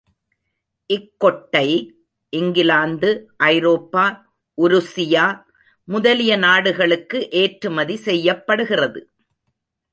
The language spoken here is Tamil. இக்கொட்டை இங்கிலாந்து, ஐரோப்பா, உருசியா முதலிய நாடுகளுக்கு ஏற்றுமதி செய்யப்படுகிறது.